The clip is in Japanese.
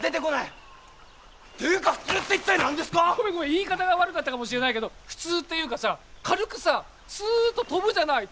言い方が悪かったかもしれないけど普通っていうかさ軽くさすっと飛ぶじゃない？